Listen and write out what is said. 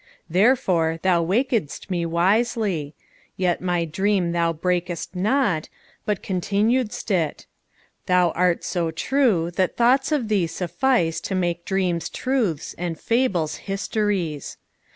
Therefore thou waked'st me wisely; yetMy dream thou brak'st not, but continued'st it:Thou art so true that thoughts of thee sufficeTo make dreams truths and fables histories.